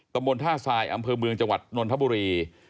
ตำบลท่าทรายอำเภอเมืองจังหวัดนนทบุรี